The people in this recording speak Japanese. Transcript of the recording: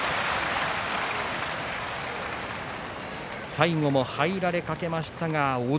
最後も入られかけましたが押